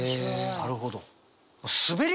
なるほど。